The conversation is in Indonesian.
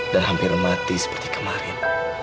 dan hampir mati seperti kemarin